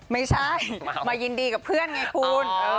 ไม่ใช่มายินดีกับเพื่อนไงคุณ